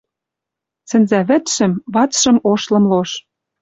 Сӹнзӓвӹдшӹм, вацшым ош лым лош.